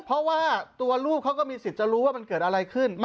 เพราะว่าตัวลูกเขาก็มีสิทธิ์จะรู้ว่ามันเกิดอะไรขึ้น